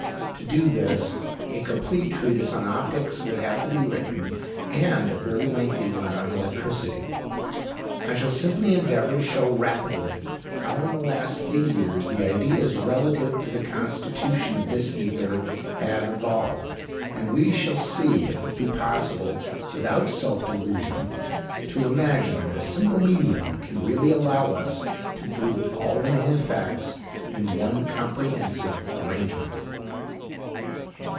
To do this a complete treatise on optics would have to be written and a very lengthy one on electricity. I shall simply endeavour to show rapidly how in the last few years the ideas relative to the constitution of this ether have evolved, and we shall see if it be possible without self delusion to imagine that a single medium can really allow us to group all the known facts in one comprehensive arrangement.